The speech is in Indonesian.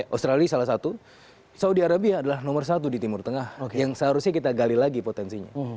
australia salah satu saudi arabia adalah nomor satu di timur tengah yang seharusnya kita gali lagi potensinya